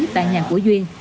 tại nhà của duyên